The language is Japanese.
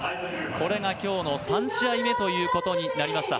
これが今日の３試合目となりました